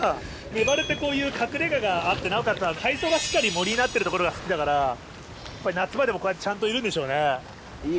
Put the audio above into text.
メバルってこういう隠れ家があってなおかつ海藻がしっかり森になってる所が好きだから夏場でもこうやってちゃんといるんでしょうね。